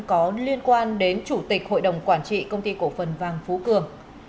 có liên quan đến chủ tịch hội đồng quản trị công ty cổ phần vàng phú cường